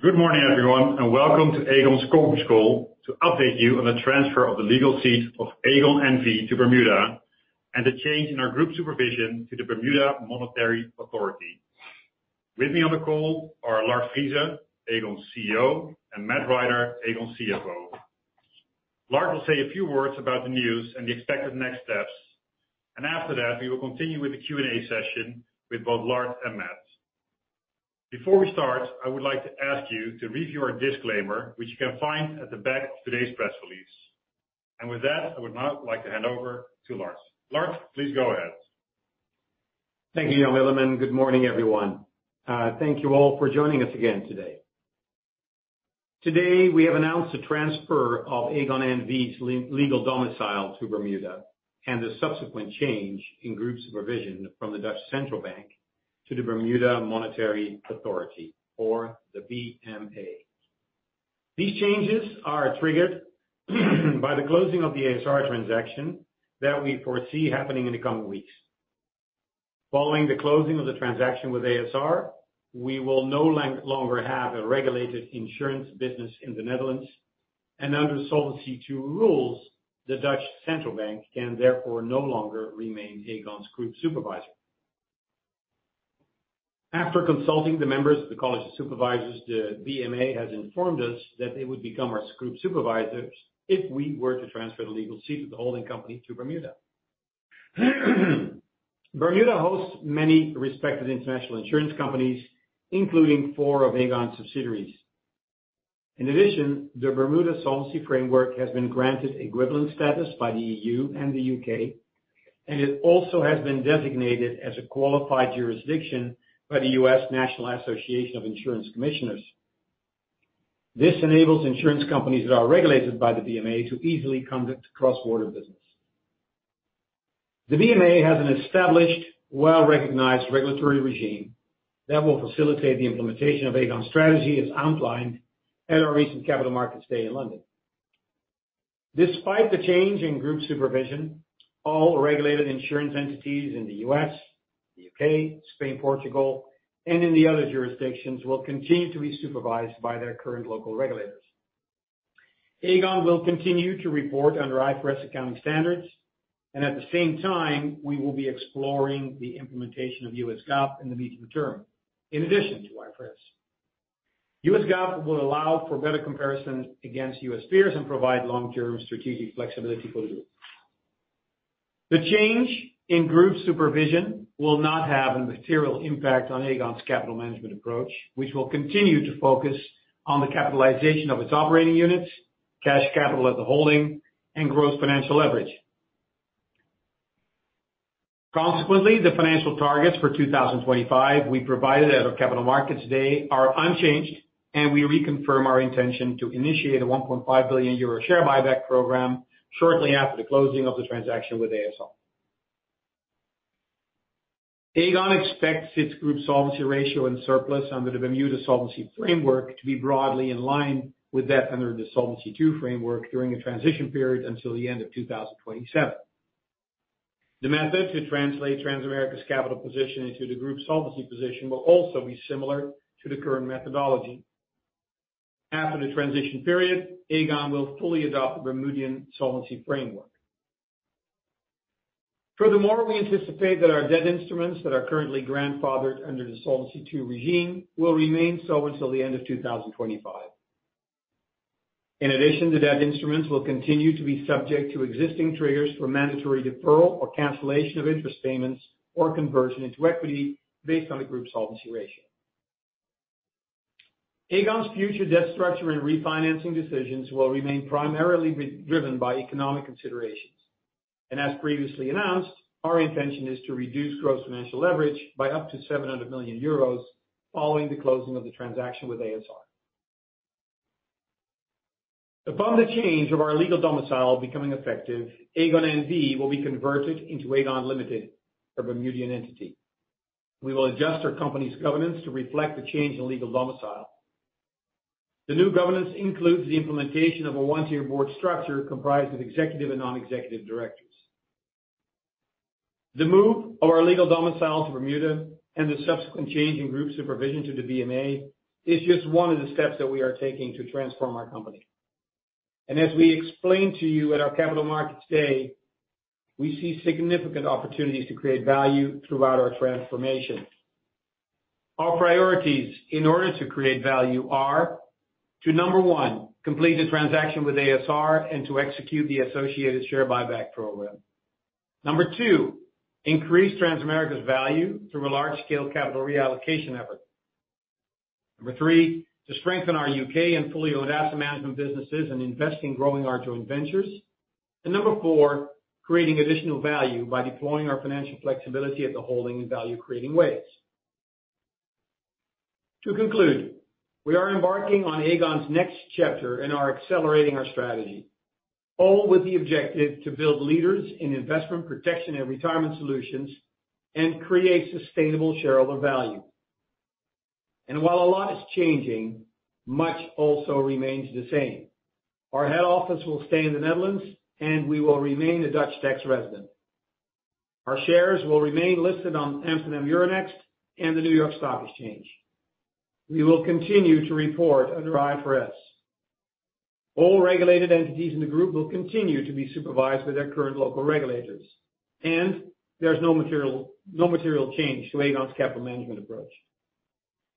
Good morning, everyone, and welcome to Aegon's conference call to update you on the transfer of the legal seat of Aegon N.V. to Bermuda, and the change in our group supervision to the Bermuda Monetary Authority. With me on the call are Lard Friese, Aegon's CEO, and Matt Rider, Aegon's CFO. Lard will say a few words about the news and the expected next steps, and after that, we will continue with the Q&A session with both Lard and Matt. Before we start, I would like to ask you to review our disclaimer, which you can find at the back of today's press release. With that, I would now like to hand over to Lard. Lard, please go ahead. Thank you, Jan Willem, good morning, everyone. Thank you all for joining us again today. Today, we have announced the transfer of Aegon NV's legal domicile to Bermuda, and the subsequent change in group supervision from the Dutch Central Bank to the Bermuda Monetary Authority, or the BMA. These changes are triggered by the closing of the a.s.r. transaction that we foresee happening in the coming weeks. Following the closing of the transaction with a.s.r., we will no longer have a regulated insurance business in the Netherlands, and under Solvency II rules, the Dutch Central Bank can therefore no longer remain Aegon's group supervisor. After consulting the members of the college of supervisors, the BMA has informed us that they would become our group supervisors if we were to transfer the legal seat of the holding company to Bermuda. Bermuda hosts many respected international insurance companies, including four of Aegon's subsidiaries. The Bermuda Solvency Framework has been granted equivalent status by the EU and the U.K., and it also has been designated as a qualified jurisdiction by the U.S. National Association of Insurance Commissioners. This enables insurance companies that are regulated by the BMA to easily conduct cross-border business. The BMA has an established, well-recognized regulatory regime that will facilitate the implementation of Aegon's strategy, as outlined at our recent Capital Markets Day in London. Despite the change in group supervision, all regulated insurance entities in the U.S., the U.K., Spain, Portugal, and in the other jurisdictions, will continue to be supervised by their current local regulators. Aegon will continue to report under IFRS accounting standards, and at the same time, we will be exploring the implementation of U.S., GAAP in the medium term, in addition to IFRS. U.S. GAAP will allow for better comparison against U.S., peers and provide long-term strategic flexibility for the group. The change in group supervision will not have a material impact on Aegon's capital management approach, which will continue to focus on the capitalization of its operating units, cash capital as a holding, and growth financial leverage. Consequently, the financial targets for 2025 we provided at our Capital Markets Day are unchanged, and we reconfirm our intention to initiate a 1.5 billion euro share buyback program shortly after the closing of the transaction with a.s.r. Aegon expects its group solvency ratio and surplus under the Bermuda solvency framework to be broadly in line with that under the Solvency II framework during a transition period until the end of 2027. The method to translate Transamerica's capital position into the group's solvency position will also be similar to the current methodology. After the transition period, Aegon will fully adopt the Bermuda solvency framework. Furthermore, we anticipate that our debt instruments that are currently grandfathered under the Solvency II regime will remain so until the end of 2025. In addition, the debt instruments will continue to be subject to existing triggers for mandatory deferral or cancellation of interest payments, or conversion into equity based on the group's solvency ratio. Aegon's future debt structure and refinancing decisions will remain primarily be driven by economic considerations. As previously announced, our intention is to reduce gross financial leverage by up to 700 million euros following the closing of the transaction with a.s.r. Upon the change of our legal domicile becoming effective, Aegon N.V. will be converted into Aegon Ltd., a Bermudian entity. We will adjust our company's governance to reflect the change in legal domicile. The new governance includes the implementation of a one-tier board structure comprised of executive and non-executive directors. The move of our legal domicile to Bermuda and the subsequent change in group supervision to the BMA is just one of the steps that we are taking to transform our company. As we explained to you at our Capital Markets Day, we see significant opportunities to create value throughout our transformation. Our priorities in order to create value are: to number one, complete the transaction with a.s.r. and to execute the associated share buyback program. Number two, increase Transamerica's value through a large-scale capital reallocation effort. Number three, to strengthen our U.K. and fully owned asset management businesses and invest in growing our joint ventures. Number four, creating additional value by deploying our financial flexibility at the holding in value-creating ways. To conclude, we are embarking on Aegon's next chapter and are accelerating our strategy, all with the objective to build leaders in investment protection and retirement solutions and create sustainable shareholder value. While a lot is changing, much also remains the same. Our head office will stay in the Netherlands, and we will remain a Dutch tax resident. Our shares will remain listed on Euronext Amsterdam and the New York Stock Exchange. We will continue to report under IFRS. All regulated entities in the group will continue to be supervised by their current local regulators, and there's no material change to Aegon's capital management approach.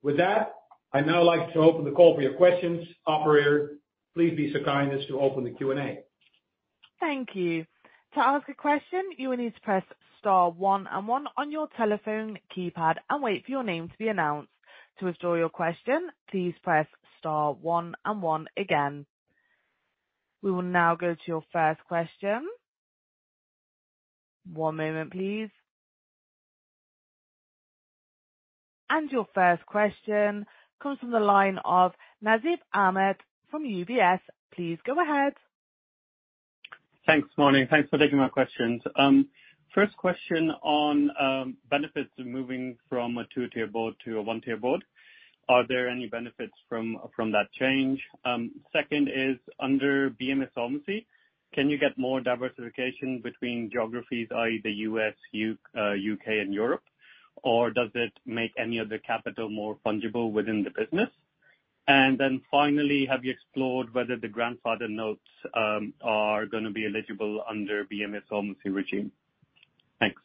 With that, I'd now like to open the call for your questions. Operator, please be so kind as to open the Q&A. Thank you. To ask a question, you will need to press star one and one on your telephone keypad and wait for your name to be announced. To withdraw your question, please press star one and one again. We will now go to your first question. One moment, please. Your first question comes from the line of Nasib Ahmed from UBS. Please go ahead. Thanks, morning. Thanks for taking my questions. First question on benefits of moving from a two-tier board to a one-tier board. Are there any benefits from that change? Second is, under BMA solvency, can you get more diversification between geographies, i.e., the U.S., U.K., and Europe, or does it make any of the capital more fungible within the business? Finally, have you explored whether the grandfather notes are going to be eligible under BMA solvency regime? Thanks.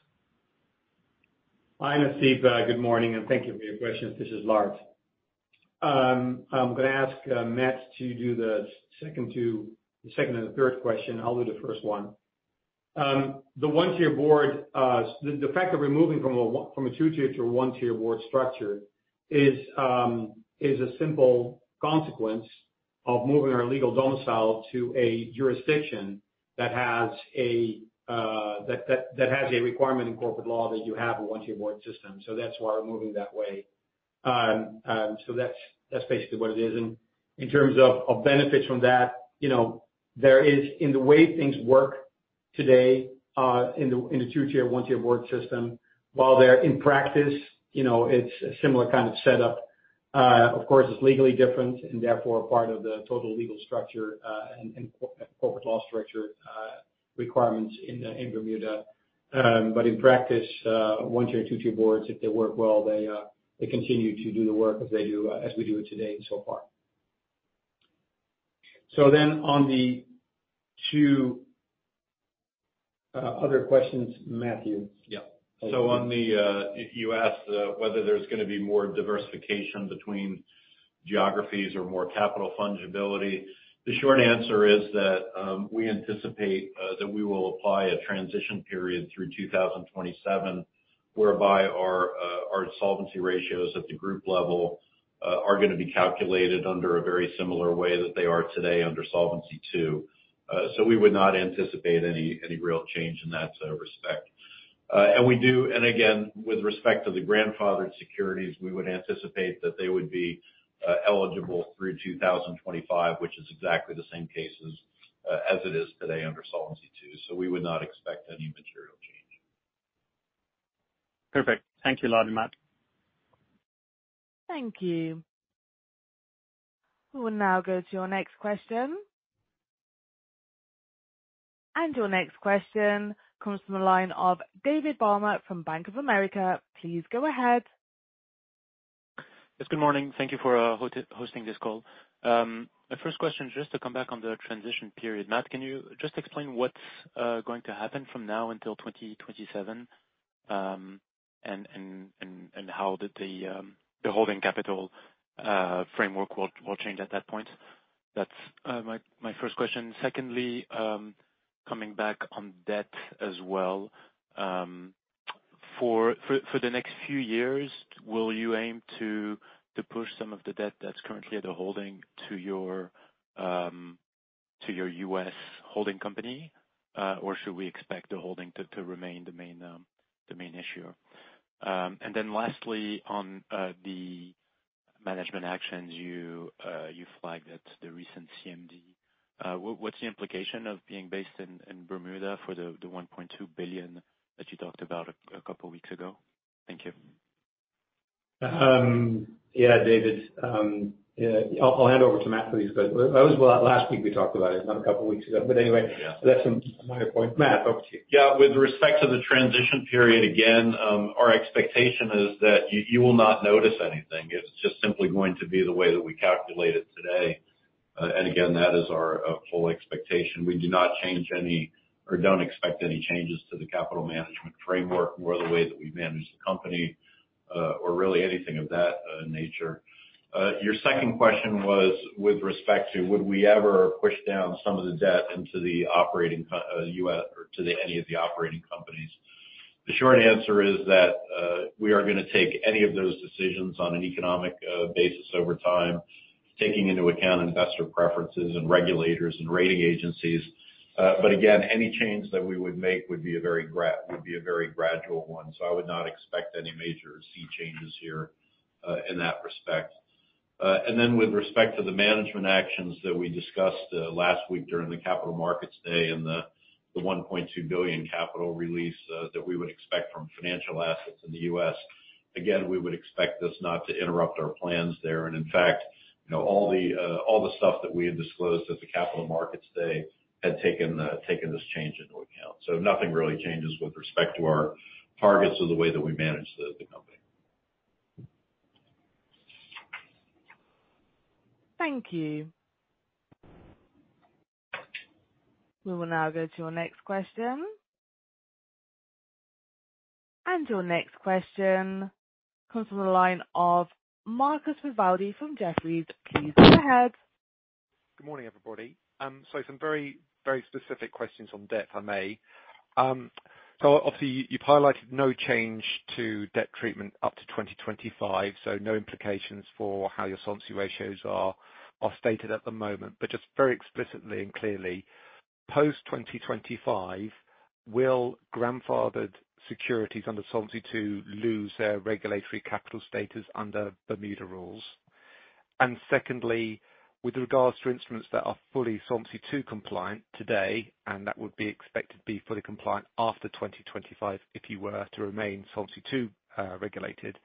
Hi, Nasib, good morning. Thank you for your questions. This is Lard. I'm going to ask Matt to do the second and the third question. I'll do the first one. The one-tier board, the fact that we're moving from a two-tier to a one-tier board structure is a simple consequence of moving our legal domicile to a jurisdiction that has a requirement in corporate law that you have a one-tier board system. That's why we're moving that way. That's basically what it is. In terms of benefits from that, you know, there is in the way things work today, in the two-tier, one-tier board system, while they're in practice, you know, it's a similar kind of setup. Of course, it's legally different, and therefore, part of the total legal structure, and corporate law structure requirements in Bermuda. But in practice, one-tier, two-tier boards, if they work well, they continue to do the work as they do, as we do it today so far. On the two other questions, Matt Rider? Yeah. On the, you asked, whether there's going to be more diversification between geographies or more capital fungibility. The short answer is that, we anticipate that we will apply a transition period through 2027, whereby our solvency ratios at the group level are going to be calculated under a very similar way that they are today under Solvency II. We would not anticipate any real change in that respect. We do, and again, with respect to the grandfathered securities, we would anticipate that they would be eligible through 2025, which is exactly the same case as it is today under Solvency II. We would not expect any material change Perfect. Thank you, Lard and Matt. Thank you. We will now go to your next question. Your next question comes from the line of David Balmer from Bank of America. Please go ahead. Yes, good morning. Thank you for hosting this call. My first question, just to come back on the transition period. Matt, can you just explain what's going to happen from now until 2027, and how the holding capital framework will change at that point? That's my first question. Secondly, coming back on debt as well, for the next few years, will you aim to push some of the debt that's currently at the holding to your U.S., holding company, or should we expect the holding to remain the main issuer? Then lastly, on the management actions you flagged at the recent CMD, what's the implication of being based in Bermuda for the 1.2 billion that you talked about a couple weeks ago? Thank you. Yeah, David, yeah, I'll hand over to Matt for these, but that was last week we talked about it, not a couple of weeks ago, but anyway. Yeah. That's a minor point. Matt, over to you. Yeah. With respect to the transition period, again, our expectation is that you will not notice anything. It's just simply going to be the way that we calculate it today. Again, that is our full expectation. We do not change any, or don't expect any changes to the capital management framework or the way that we manage the company, or really anything of that nature. Your second question was with respect to, would we ever push down some of the debt into the operating co-U.S., or to any of the operating companies? The short answer is that we are going to take any of those decisions on an economic basis over time, taking into account investor preferences and regulators and rating agencies. Again, any change that we would make would be a very would be a very gradual one, so I would not expect any major seek changes here in that respect. With respect to the management actions that we discussed last week during the Capital Markets Day and the $1.2 billion capital release that we would expect from financial assets in the U.S., again, we would expect this not to interrupt our plans there. In fact, you know, all the stuff that we had disclosed at the Capital Markets Day had taken this change into account. Nothing really changes with respect to our targets or the way that we manage the company. Thank you. We will now go to your next question. Your next question comes from the line of Marcus Rivaldi from Jefferies. Please go ahead. Good morning, everybody. Some very, very specific questions on debt, if I may. Obviously, you've highlighted no change to debt treatment up to 2025, so no implications for how your Solvency ratios are stated at the moment. Just very explicitly and clearly, post 2025, will grandfathered securities under Solvency II lose their regulatory capital status under Bermuda rules? Secondly, with regards to instruments that are fully Solvency II compliant today, and that would be expected to be fully compliant after 2025, if you were to remain Solvency II regulated,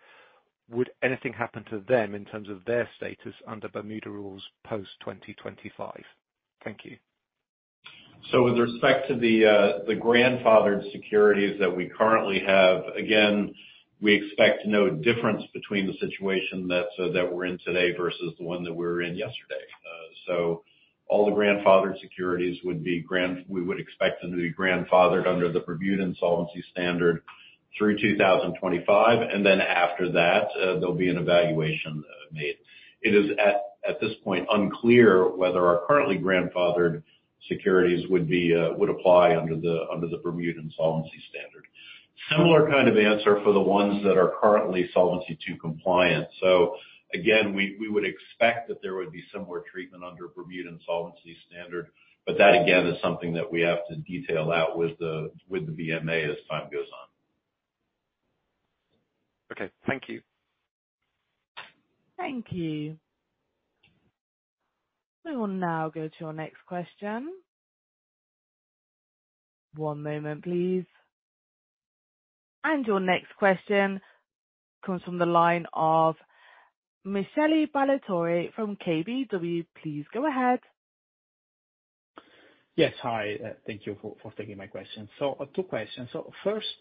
would anything happen to them in terms of their status under Bermuda rules post 2025? Thank you. With respect to the grandfathered securities that we currently have, again, we expect no difference between the situation that we're in today versus the one that we were in yesterday. All the grandfathered securities we would expect them to be grandfathered under the Bermuda solvency standard through 2025, and then after that, there'll be an evaluation made. It is at this point unclear whether our currently grandfathered securities would be would apply under the Bermuda solvency standard. Similar kind of answer for the ones that are currently Solvency II compliant. Again, we would expect that there would be similar treatment under Bermuda solvency standard, but that, again, is something that we have to detail out with the BMA as time goes on. Okay. Thank you. Thank you. We will now go to our next question. One moment, please. Your next question comes from the line of Michele Ballatore from KBW. Please go ahead. Yes. Hi, thank you for taking my question. Two questions. First,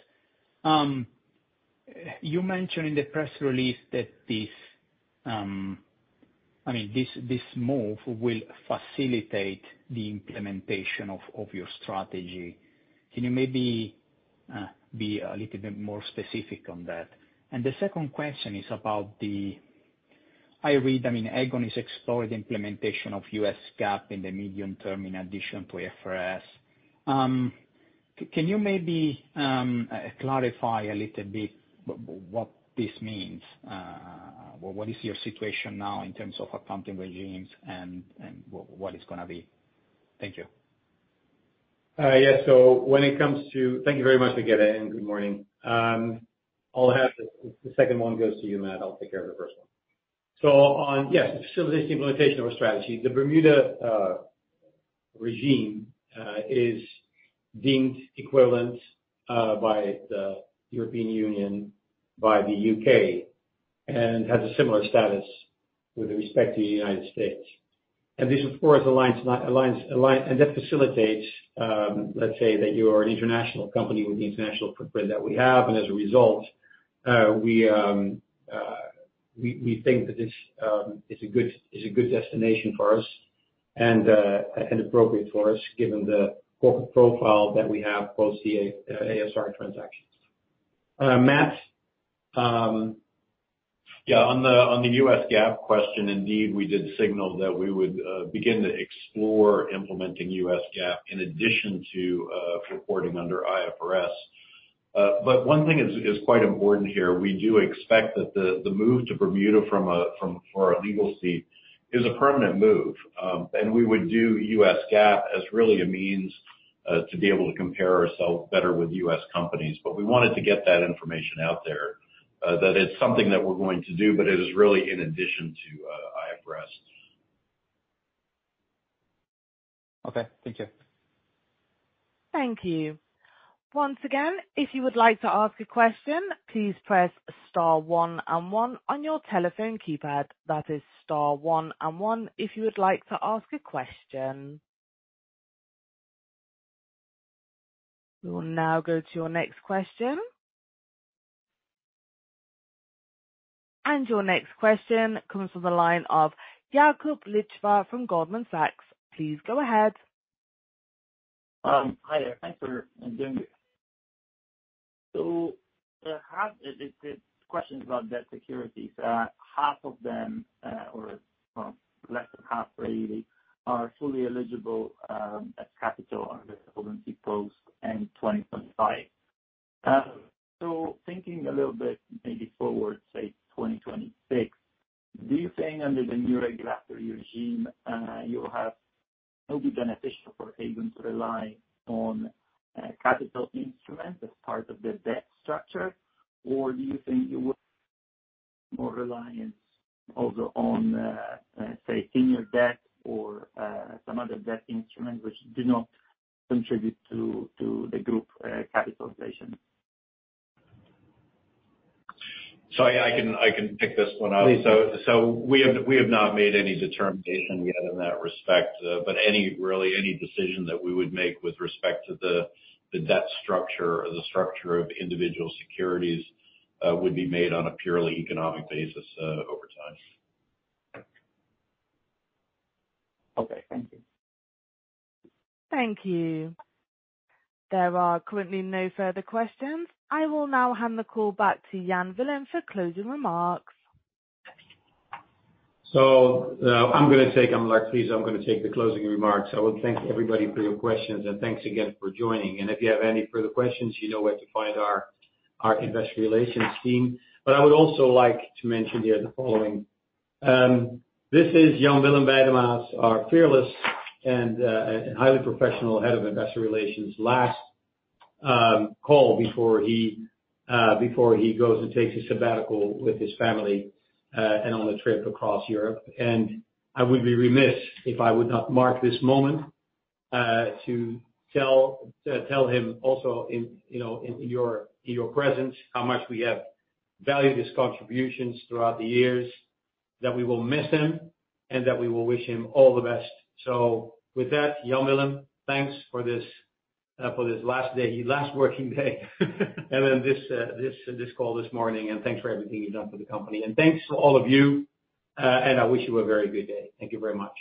you mentioned in the press release that this, I mean, this move will facilitate the implementation of your strategy. Can you maybe be a little bit more specific on that? The second question is about the. I read, I mean, Aegon is exploring the implementation of U.S. GAAP in the medium term, in addition to IFRS. Can you maybe clarify a little bit what this means? What is your situation now in terms of accounting regimes and what it's gonna be? Thank you. Yes. Thank you very much again, and good morning. I'll have the second one goes to you, Matt. I'll take care of the first one. Yes, facilitate the implementation of our strategy. The Bermuda regime is deemed equivalent by the European Union, by the U.K., and has a similar status with respect to the United States. This, of course, aligns and that facilitates, let's say that you are an international company with the international footprint that we have, and as a result, we think that this is a good destination for us and appropriate for us, given the corporate profile that we have post the a.s.r. transactions. Matt? Yeah, on the U.S., GAAP question, indeed, we did signal that we would begin to explore implementing U.S. GAAP in addition to reporting under IFRS. One thing is quite important here: we do expect that the move to Bermuda for a legal seat is a permanent move. We would do U.S. GAAP as really a means to be able to compare ourselves better with US companies. We wanted to get that information out there, that it's something that we're going to do, but it is really in addition to IFRS. Okay. Thank you. Thank you. Once again, if you would like to ask a question, please press star one and one on your telephone keypad. That is star one and one if you would like to ask a question. We will now go to our next question. Your next question comes from the line of Jakub Lichwa from Goldman Sachs. Please go ahead. Hi there. Thanks for doing this. It's questions about debt securities. Half of them, or, well, less than half really, are fully eligible as capital under the Solvency post and 2025. Thinking a little bit maybe forward, say, 2026, do you think under the new regulatory regime, it'll be beneficial for Aegon to rely on capital instruments as part of the debt structure? Do you think you will more reliant also on, say, senior debt or, some other debt instrument which do not contribute to the group capitalization? I can pick this one up. Please. We have not made any determination yet in that respect, but any, really, any decision that we would make with respect to the debt structure or the structure of individual securities, would be made on a purely economic basis, over time. Okay. Thank you. Thank you. There are currently no further questions. I will now hand the call back to Jan Willem for closing remarks. I'm gonna take the closing remarks. I want to thank everybody for your questions, and thanks again for joining. If you have any further questions, you know where to find our investor relations team. I would also like to mention here the following: This is Jan Willem Bijleveld, our fearless and highly professional Head of Investor Relations, last call before he goes and takes a sabbatical with his family and on a trip across Europe. I would be remiss if I would not mark this moment to tell him also in, you know, in your presence, how much we have valued his contributions throughout the years, that we will miss him, and that we will wish him all the best. With that, Jan Willem, thanks for this, for this last day, last working day, and then this call this morning, and thanks for everything you've done for the company. Thanks to all of you, and I wish you a very good day. Thank you very much.